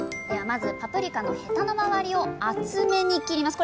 まずパプリカのヘタの周りを厚めに切ります。